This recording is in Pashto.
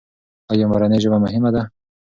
ایا مورنۍ ژبه مهمه ده؟